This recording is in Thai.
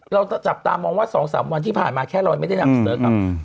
เราจับตามองว่า๒๓วันที่ผ่านมาแค่รอยไม่ได้นำเสนอกับ